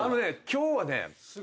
今日はね